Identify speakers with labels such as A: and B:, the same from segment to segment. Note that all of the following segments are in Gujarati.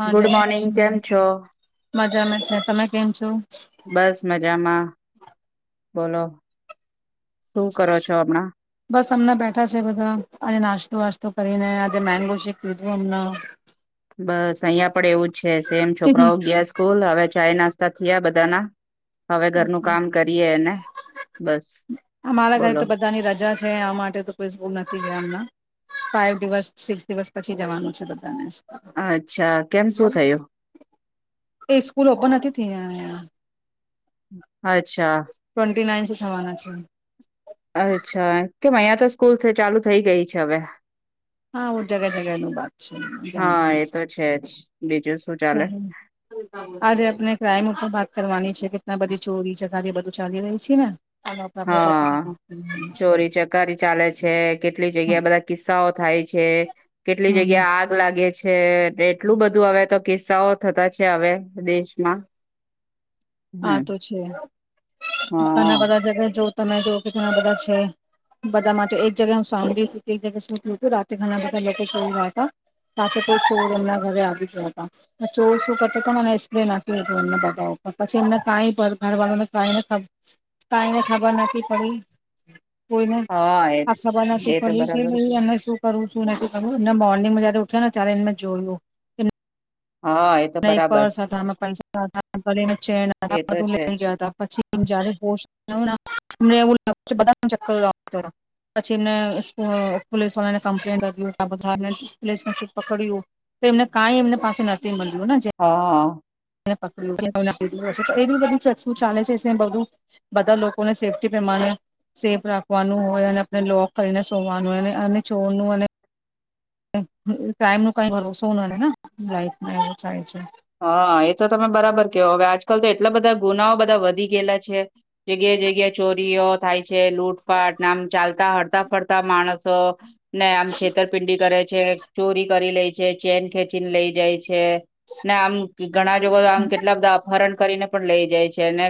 A: હા
B: ગુડ મોર્નિંગ કેમ છો.
A: જાામે છે તમે કેમ છો.
B: બલો.
A: બસ અમણાં બેઠા છે બધા આજે નાસ્તો વાસ્ત તો કરીને આજે મેંગો શેક લીધું હમણા.
B: બસ અહિયા પણ એવું જ છે સેમ છોકરાઓ ગયા સ્કૂલ હવે ચાય નાસ્તા થયા બધાના. હવે ઘરનું
A: [unintelligible]
B: કામ કરીએ એને બસ
A: અમારા ઘરે
B: બોલો
A: તો બધાની રજા છે આ માટે તો કોઈ સ્કૂલ નથી ગયા એમણા. ફાઈવ દિવસ સિક્સ દિવસ પછી જવાનું છે બધાને.
B: અચ્છા, કેમ શું થયું?
A: એ સ્કૂલ ઓપન નથી થઈ.
B: [inaudible] અચ્છા.
A: ખવાના છે.
B: અચ્છા કેમ અહિયાયા તો સ્કૂલ ચાલુ થઈ ગઈ છે હવે.
A: હા ઓ જગ્યા જગ્યા નું વાત છે
B: હા
A: જણ
B: એ તો છે જ બીજું શું
A: જ
B: ચાલે
A: [unintelligible] આજે આપને ક્રાઈમ વાત કરવાની છે. કેતના બધી ચોરી છે. લાગે બધું ચાલી રહી છે ને. ચાલો આપણે આપણે ટોપિક પર
B: હા
A: વાત કરવાની છે.
B: ચોરી ચકારી ચાલે છે. કેટલી જગ્યા બધા કિસ્સાઓ થાય છે. કેટલી
A: હમ
B: જગ્યા આગ લાગ ગે છે. એટલું બધું આવે તો કિસ્સાઓ થતા છે હવે દેશમાં.
A: હા
B: હમ
A: તો છે. ઘણા
B: હા
A: બધા જગ્યા જો તમે જો કે ઘણા બધા છે. બધા માટે એક જગ્યાએ હું સાંભળી એક જગ્યા શું થીયું તું રાતે ઘણા બધા લોકો ચોર ગયા હતા. રાતે કોઇ ચોર એમના ઘરે આવી ગયા હતા. ને ચોર શું કરતા તને સ્પ્રે નાખ્યું હતું એમના બધા ઉપર. પછી એમને કાઈ ઘર [unintelligible] ને કાઇ ને કાઈને ખબર નથી પડી. કોઈને
B: હા એ
A: આ ખબર નથી
B: એ તો
A: પડી. કે
B: બરાબર
A: ભઈ એમને શું કરવુંછ. શું નથી કર્યું ને મોર્નિંગમાં જયારે ઉઠ્યો ને ત્યારે એમને જોયું.
B: હા. એ તો બરાબર.
A: હા ત [inaudible] ચે
B: એ
A: [unintelligible]
B: તો
A: બધું
B: છે
A: લઇ
B: જ
A: ગયા હતા. પછી જ્યારે [inaudible] એમને એવું લા [unintelligible] બધા ચક્કર આપતા પછી એમને પો પોલીસ વાળાને કમ્પ્લેન લ બધા પોસને ચૂટ પકડયુ. તેમને કઈ એમ પાસે નથી મળ્ય
B: હા હા.
A: [inaudible] પ એ બધી ચકું સૂ ચાલે છે સે બધું બધા લોકોને સેફ્ટી પ્રમાણે સેફ રાખવાનું હોય, અને આપણે લોક કરીને સોવાનું હોય અને ચોરનું અને ટાઈમ નું કઈ ભરોસો નઇ ને. લાઈફમાં એવું થાય છે.
B: હા. એ તો તમે બરાબર કેવો હવે આજકાલ તો એટલા બધા ગુનાઓ બધા વધી ગયેલા છે. જગ્યા-જગ્યા ચોરીઓ થાય છે. લૂટપાટ નામ ચાલતા હરતા ફરતા માણસો ને આમ છેતરપિંડી કરે છે, ચોરી કરી લે છે, ચેન ખેચીને લઇ જાય છે. ને આમ ઘણા જોગ આમ કેટલા બધા અપહરણ કરીને પણ લઇ જાય છે. છેેને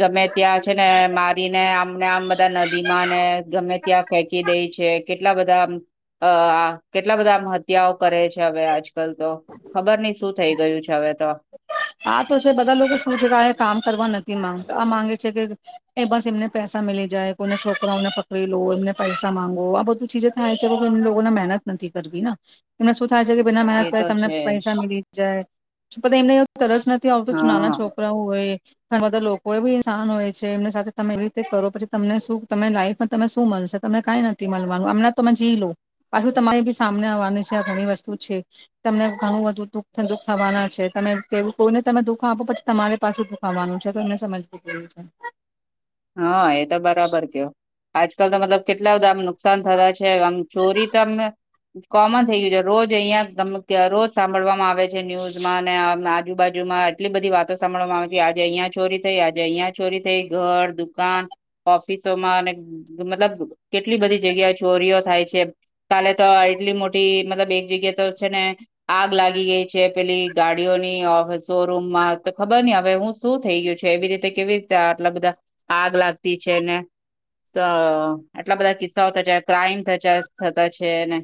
B: ગમે ત્યાં છે, ને મારીને આમને આમ બધા નદી માં ને ગમે ત્યાં ફેંકી દઈ છે. કેટલા બધા આમ અ આ કેટલા બધા આમ હત્યાઓ કરે છે. હવે આજ આજ કલ તો ખબર નહ શું થઈ ગયું છે હવે તો.
A: હા. તો છે બધા લોકો શું છે ક કામ કરવા નથી માંગતા. આ માંગે છે કે એ બસ એમને પૈસા મીલી જાય કોઈને છોકરાઓને પકડી લો, એમને પૈસા માંગો આ બધું ચીજે થાય છે એમ લોકોને મહેનત નથી કરવી ને એને શ થાય છે કે બિના
B: એ
A: મહેનત કરી
B: તો
A: તમને
B: છે જ
A: પૈસા મિલી જાય. એમને તરસ નથી આવતો નાના
B: હા
A: છોકરા હોય. ઘણા બધા લોકો એ બી ઇન્સાન હોય છે. એમની સાથે તમે એવી રીતે કરો પછી તમને શું તમને લાઈફમાં તમે શું મળશે તને કઈ નથી મળવાનું, આમને તમે જી લો પાછું તમારી બી સામને આવવાની છે આ ઘણી વસ્તુ છે, તમને ઘણું બધું દુઃખ દુખ થવાના છે. તમે કેવું કોઈને તમે દુઃખ આપો પછી તમારે પાસેું ભુકવાનું છે તો એમને સમજવું પડ્યું છે.
B: હા એ તો બરાબર કયો. આજકાલ તો મતલબ કેટલા બધા આમ નુકસાન થતા છે આમ ચોરી તો અમ કોમન થઈ ગયું છે રોજ અહિયાં. તમે કે રોજ સાંભળવામાં આવે છે ન્યૂઝમાં અને આજ આજુ બાજુ માં એટલી બધી વાતો સાંભળવામાં આવે છે આજે અહિયાયા ચોરી થઈ આજે અહિયાયા ચોરી થઈ ઘર. દુકાન ઓફિસોમાં અને મતલબ કેટલી બધી જગ્યાએ ચોરીઓ થાય છે કાલે તો એટલી મોટી મતલબ એક જગ્યા તો છે ને આગ લાગી ગઈ છે પેલી ગાડીઓની શોરૂમમાં તો ખબર ન હવે હું શું થઈ ગયું છે એવી રીતે કેવી રીતે આટલા બધા. આગ લાગતી છે ને સ આટલા બધા કિસ્સાઓ થ ક્રાઈમ થતા છે. છેેને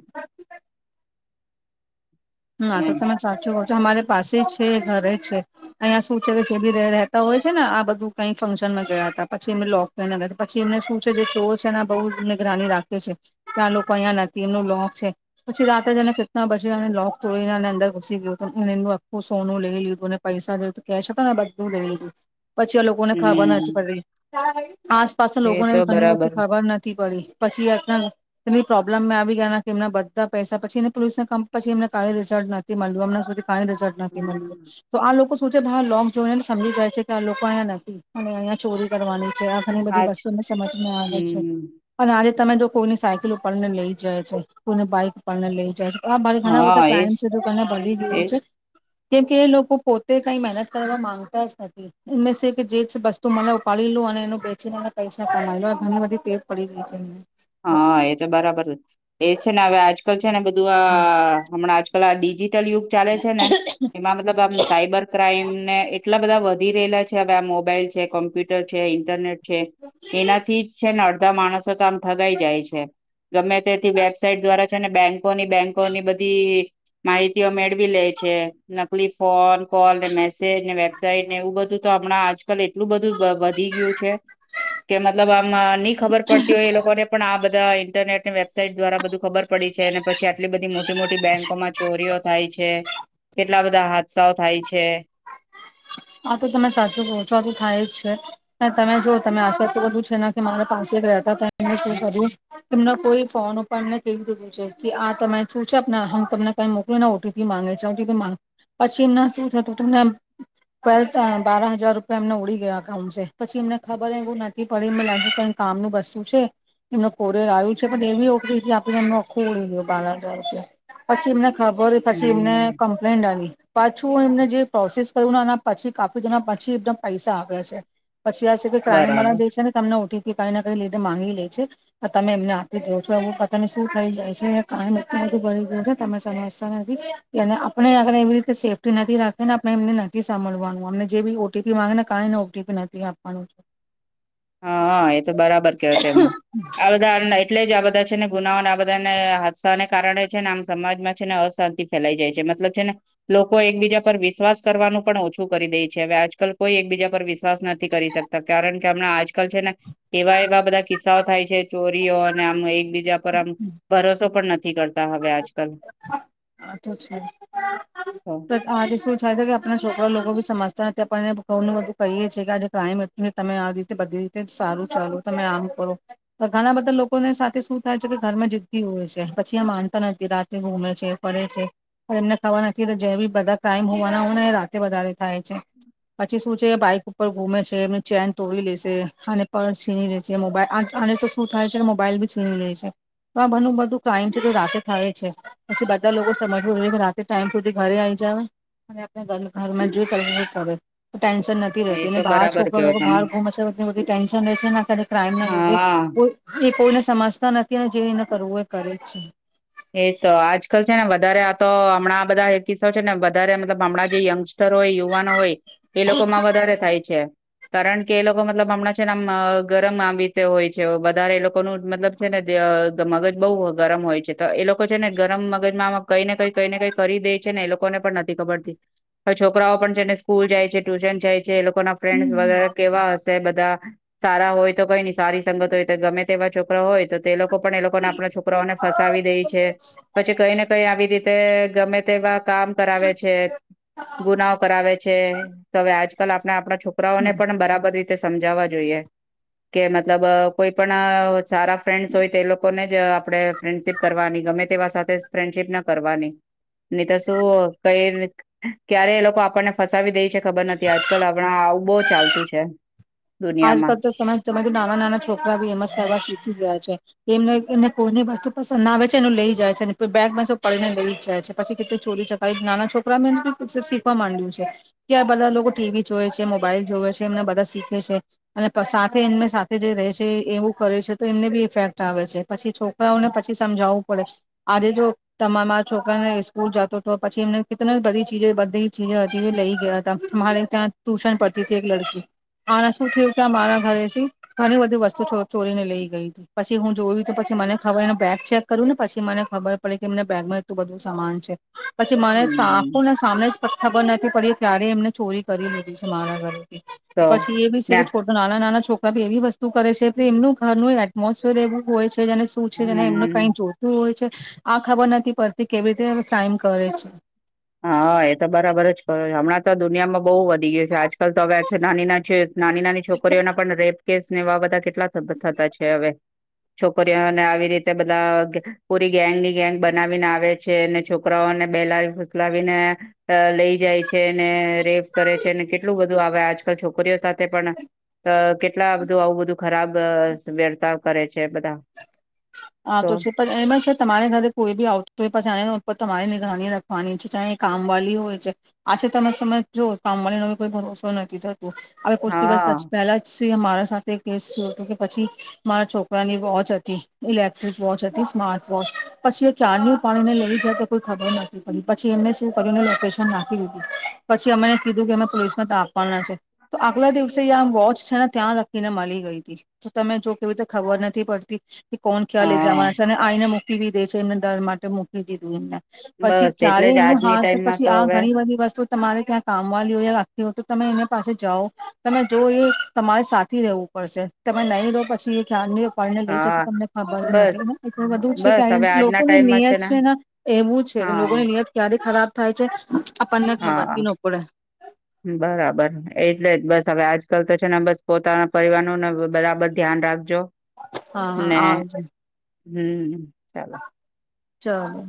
A: ના તો તમે સાચું હો. અમારે પાસે જ છે ઘરે જ છે અહીંયા શું છે કે જે બી રહેતા હોય છે ને આ બધું કઈ ફંક્શનમાં ગયા હતા પછી એમને લોક કર પછી એમને શું છે જે ચોર છેને બહુ નિગરાની રાખે છે કે આ લોકો અહીંયા નથી એમનું લોક છે પછી રાતે જને કેટના બસે એ લોક. તોડીનેને અંદર ઘુસી ગયો હતું અને એમનું આખું સોનું લઈ લીધું અને પૈસા લ કેશ હતા ને બધું લઈ લીધું. પછી આ લોકોને ખાવા ના જ
B: હમ
A: પડે. હા ભાઈ આસપાસના
B: એ
A: લોકોને
B: તો
A: બી ઘણી બધી
B: બરાબર
A: ખબર નથી. પડી પછી એ એમની પ્રોબ્લેમ આવી ગયા કે એમના બધા પૈસા પછી એ પોલીસ ના કામ પછી એમ. કઈ રિઝો નથી મળવામં સુધી. કાઈ રિઝલ્ટ નથી મળ્યું
B: હમ
A: તો આ લોકો શું છે ભાઈ લોક જોઈ ને સમજી જાય છે કે આ લોકો અહીંયા નથી અને અહંયા ચોરી કરવાની. ત્યાં ઘણી બધી
B: આજ
A: વસ્તુને સમજ આવે છે
B: હમ
A: અને આ ર. તમે જો કોઈની સાયકલ ઉપાડી લઈ જાય છે કોઈની બાઈક ઉપાડી લઈ જાય છે. હ ભારી ઘના બ.
B: હા એજ
A: ક્રાઈમ છે જો તને ભલી ગયું
B: એજ
A: છે. કેમ કે એ લોકો પોતે કઈ મહેનત કરવા માંગતા જ નથી. એમને શે કે જે જ વસ્તુ મને ઉપાડી લો. અને એનું બેચીને પૈસા કમાય લો. ઘણી બધી ટેવ પડી ગઈ છે એમને.
B: હા એ તો બરાબર. એ છે ને હવે આજ છે ને બધું આ હમણાંજ અલા ડીજી ટલ યુગ ચાલે છે ને એમાં મતલબ આમ સાયબર ક્રાઈમ ને આટલા બધા વધી રેલા છે હવે આ મોબાઈલ છે, કોમ્પ્યુટર છે, ઇન્ટરનેટ છે, એનાથી જ છે ને અડ તાર માણસ તો આમ ભગાઈ જાય છે. ગમે તેથી વેબસાાઈટ દ્વારા છે ને બેંક કોની બેંકોની બધી માહિતીઓ મેળવી લે છે. નકલી ફોન કોલને, મેસેજને, વેબસાાઈટને એવું બધું તો હમણાં આજકાલ એટલું બધું વધી ગયું છે. કે મતલબ આમ ની ખબર પડતી હોય એ લોકો પણ આ બધા ઈન્ટરનેટને વેબસાઇટ દ્વારા બધું ખબર પડી છે. અને પછી આટલી બધી મોટી-મોટી બેન્કોમાં ચોરીઓ થાય છે. કેટલા બધા હા ત્સવ થાય છે.
A: આ તો તમે સાચું કો છો આતો થાય જ છે. અને તમે જોવો તમે આસપાસ બધું છેને કે મારા પાસે રહેતા તા એને શું કર્યું. એમના કોઈ ફોન ઉપરને કઈ દીધું છે કે આ તમે શું છે હું તમને કઈ મોકલુને ઓટીપી માંગે છે. પછી એમ શું થતું ને ટવેલ્થા બારા હજાર રૂપિયા એમના ઉડી ગયા અકાઉન્ટ છે. પછી એમને ખબર એવું નથી પડી એમને લાગ્યું કે કામનું વસ્તું છે એમનું કોડે આયું છે. પણ એવી ઓકરીથી આપીને એમનું આખું ઉડી ગયું બાર હજાર રૂપિયા પછી એમને ખબર હોય પછી એમને
B: હમ
A: કમ્પ્લેન્ટ આઈવી પાછું એમને જે પ્રોસેસ કરુણાના પછી કાફી જણા પછી એકદમ પૈસા આવે છે. પછી આ છે કે ક્રાઈમ
B: બરાબર
A: [unintelligible] છે ને તમને ઓટી કે કઈ ન કઈ લીધે માંગી લે છે. તમે તેમને આપી દો છો. એવુ પતાને શું થઈ જાય છે કાયમ એટલું બધું ભરઈ ગયું છે. તમે સમજતા નથી એને આપને અગર એવી રીતે સેફ્ટી નથી રાખીને આપને એમને નથી સાંભળવાનું. અને જે બી ઓટીપી માંગેને કાઈ ને ઓટીપી નથી આપવાનું.
B: હન એ તો બરાબર કેયો તેમા આ બધા એટલે જ આ બધા છે ને ગુનાઓને આ બધા ને હાદસાને કારણે છે ને આમ સમાજમાં છે ને અશાંતિ ફેલાઈ જાય છે. મતલબ છે ને લોકો એકબીજા પર વિશ્વાસ કરવાનું પણ ઓછું કરી દે છે હવે આજકાલ કોઈ એકબીજા પર વિ શ્વાસ નથી કરી શકતા કારણ કે કેમણા આજ કલ છે ને એવા એવા બધા કિસ્સાઓ થાય છે ચોરીઓ અને આમ એકબીજા પર આમ ભરોસો પણ ન નથી કરતા હવે આજ
A: આ તો છે.
B: તો
A: આજ શું થાય છે કે આપડા છોકરા લોકો સમજતા નથી. આપણને ઘણુ બધું કહીએ છીએ કે આજે ક્રાઈઇ નું ને તમે આ રીતે બધી રીતે સારું ચાલો. તમે આમ કરો. ઘણા બધા લોકોને સાથે શું થાય છે કે ઘરમાં જીદી હોય છે. પછી આ માનતા નથી રાત તે ગૂમે છે. ફરેે છે. પણ એમને ખબર નથી જે બી બધા ક્રાઇમ હોવાના હોયને એ રાતે વધારે થાય છે. પછી શું છે બાઈક ઉપર ગુમે છે એમની ચેન તોડી લેશે અને પર્સ છીણી લેશે. મોબાઈલ આને તો શું થાય છે કે મોબાઈલ બી છીણી લે છે તો આ ઘણું બધું ક્રાઈમ છે. તો રાતે થાય છે. પછી બધા લોકો સમજવુ જોઈએ કે રાતે ટાઈમ સુધી ઘરે આવી જવાય અને આપને ઘરમાં જે કરવુ હોય એ કરે. ટેન્શન નથી
B: એ
A: રેતી
B: તો
A: ને બહાર
B: બરાબર
A: છોકરા
B: કયો
A: લોકો
B: તમે
A: બહાર ઘૂમે છે. બધી બધી ટેન્શને રે છે ને અતારે ક્રાઈમના લીધે
B: હા
A: કોઈ સમજતા નથી ને જેને કરવું એ કરે જ છે
B: એતો આજકાલ છે ને વધારે આ તો હમણાં બધા કિસ્સાો છે ને વધારે મતલબ હમણાં જે યંગસ્ટર હોય યુવાનો હોય એ લોકોમાં વધારે થાય છે કારણ કે એ લોકો મતલબ હમણાં છેને ગરમ આવી રીતે હોય છે વધારે એ લોકોનું મતલબ છે ને મગજ બહુ ગરમ હોય છે તો એ લોકો છે ને ગરમ મગજમાં કઈ ને કઈ કઈ ને કઈ કરી દે છે ને એ લોકોને પણ નથી ખબરતી હ છોકરાઓ પણ છે ને સ્કૂલ જાય છે ટ્યુશન જાય છે જે લોકો ના ફ્રેન્ડ
A: હમ
B: વગેરે કેવા હશે બધા સારા હોય તો કઈ નઈ સારી સંગત હોય તો ગમે તેવા છોકરા હોય તો તે એ લોકો પણ એ લોકોને આપણા છોકરાઓને ફ આવી દઈ છે પછી કઈ ને કઈ આવીી તે ગમે તેવા કામ કરાવે છે ગુનાઓ કરાવે છે તેઆજ આપણે આપણા
A: હમ.
B: છોકરાઓને પણ બરાબર સમજાવવા જોઈએ કે મતલબ કોઈ પણ સારા ફ્રેન્ડસ હોય તો એ લોકોને જ આપણે ફ્રેન્ડશીપ કરવાની ગમે તેવા સાથેજ ફ્રેન્ડશીપ ન કરવાની, નીત શું કઈ રીત ક્યારે એ લોકો આપણને ફસાવી દેય ચ ખબર નથી આજકાલ આપણા આવું બૌજ ચાલતું છે. દુનિયામાં
A: આજકાલ તો તમે તમારૂ નાના નાના છોકરા બી એમજ ખવા શીખી ગયા છે. કે એમને એમને કોઈની વસ્તુ પસંદ ના આવે છે એને લઈ જાય છેને બે-બેગ પાછો પડીને લઈ જાય છે. પછી કે ચોરી ચકાવી નાના છોકરા મે એ શીખવા માંડ્યું છે કે આ બધા લોકો ટીવી જોવે છે મોબાઈલ જોવે છે એમને બધા શીખે છે અને સાથે એમને સાથે જે રહે છે એવું કરે છે તો એમને બી ઇફેક્ટ આવે છે પછી છોકરાઓને પછી સમજાવવું પડે આજે જો તમારા છોકરાને સ્કૂલ જતો તો પછી એમને કેટલી બધી ચીજ બધી ચીજ હતી લઈ ગયા હતા મારે ત્યાં ટ્યુશન પડતી હતી એક લડકી ું થું ત્યાં મારા ઘરે ઘણી બધી વસ્તુ ચોરીને લઈ ગઈ હતી પછી હું જોયું પછી મને ખબરને બેગ ચેક કર્યું ને પછી મને ખબર પડી કે એમને બેગ માં એટલું બધું સમાન છે. પછી મને
B: હમ
A: આખું ને સામે જ- ખબ-ખબર નથી પડી ક્યારેય એમને ચોરી કરી લીધીછે મારા ઘરે.
B: તો
A: પછી એવીજ. તેલો
B: ના
A: છોટો નાના છોક ભાભી એવી વસ્તુ કરે છે, પ્રેમનું ઘરનું એટમોસફિયર એવું હોય છે. તો જેને શું છે જેને એમને
B: હમ
A: કંયજોતું હોય છે. આ ખબર નથી પડતી કેવી રીતે એમ ટાઈમ કરે છે.
B: હાઆઆ એતો બરાબર જ કરા હમણાં તો દુનિયામાં બૌવ વધી ગય છે. આજકાલ તો અવે છે નાની નાછે નાની નાની છોકરીઓના પણ રેપ કેસ નેએવા બધા કેટલા થ થતા છે. હવે છોકરીઓને આવી રીતે બધા પૂરી ગેંગની ગેંગ બનાવીને આવે છે. અને છોકરાઓને બેહેલા પૂછ લાવીને અહ લઈ જાય છે, ને રેપ કરે છેને કેટલું બધું આવે આજકાલ છોકરીઓ સાથે પણ કેટલા બધું આવું બધું ખરાબ વર્તાવ કરે છે બધા.
A: હા તો છે પણ એમાં છે તમારે ઘરે કોઈ બી આવતુંતો [inaudible] ધની રાખવાની છે ચાહે કામ વાલી હોય છે. આસે તમે સમજજો કામ વાલી નો કોઈ ભરોસો નથી થત. હવે કોચ દિવસ
B: હા
A: પસી પેલા જ તે મારા સાથે કેસ હતો કે પછી, મારા છોકરાની વોચ હતી. ઇલેક્ટ્રિક વોચ હતી સ્માર્ટ વોચ પછી એ ક્યારની પાણીને લઈ ગયા કોઈ ખબર નથી પડી, પછી એમને શું કર્યું લોકેશન નાખી દીધી પછી અમને કીધું કે અમે પોલીસમાં તા આપવાના છે તો આગલા દિવસે વોચ છે ને ત્યાં લખીને મળી ગઈ હતી તો તમે જો કેવી રીતે ખબર નથી પડતી. કે કોણ ક્યાં લઈ જવના
B: હા
A: છે ને આયીને મુક પીવી દે છે મોબાઈલ માટે મોકલી દીધું એમને. પછી
B: બસ એટલે
A: ક્યારે
B: જ
A: એમનું
B: આજની
A: હા છે.
B: ટાઈમમાં
A: પછી
B: તો
A: આ
B: હવે
A: ઘણી બધી વસ્તુ તમારે ત્યાં કામ વાલીઓએ રાખવાની હોય તો તમે એના પાસે જાઓ તમે જો એ તમારા સાથી રહેવું પડશે. તમે નહીં રો પછી એ ક્યારની પડીને લઈ
B: હા
A: જશે. તમને ખબર
B: બસ
A: નથી એટલે બધું છે કે
B: બસ હવે આજના
A: લોકોની
B: ટાઈમમાં
A: નિયત છે ને એવું છે કે
B: હા
A: લોકોની નિયત ક્યારે ખરાબ થાય છે. આપણને ખબર
B: હા
A: બી ન પડે
B: બરાબર એટલે જ બસ. હવે આજકાલ તો છે ને બસ પોતાના પરિવાર નું ને બરાબર ધ્યાન રાખજો.
A: હા
B: ને
A: આવજે.
B: હમ ચાલો.
A: ચલો.